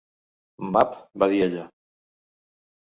Mab, va dir ella.